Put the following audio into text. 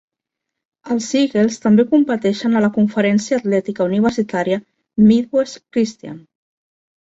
Els Eagles també competeixen a la conferència atlètica universitària Midwest Christian.